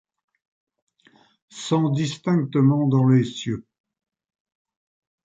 Sent distinctement dans les cieux